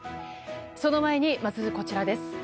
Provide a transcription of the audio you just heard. その前に、まずこちらです。